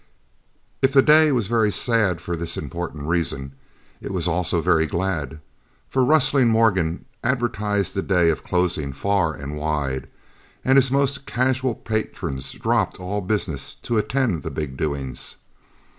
If the day was very sad for this important reason, it was also very glad, for rustling Morgan advertised the day of closing far and wide, and his most casual patrons dropped all business to attend the big doings.